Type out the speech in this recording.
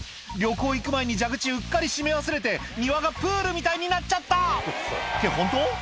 「旅行行く前に蛇口うっかり締め忘れて庭がプールみたいになっちゃった」ってホント？